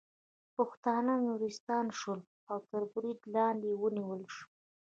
پښتانه ترورستان شول او تر برید لاندې ونیول شول